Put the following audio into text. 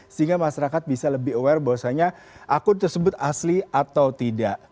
sehingga masyarakat bisa lebih aware bahwasanya akun tersebut asli atau tidak